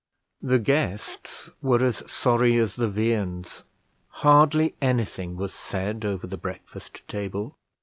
The guests were as sorry as the viands; hardly anything was said over the breakfast table.